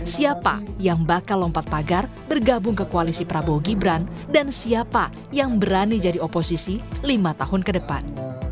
siapa yang bakal lompat pagar bergabung ke koalisi prabowo gibran dan siapa yang berani jadi oposisi lima tahun ke depan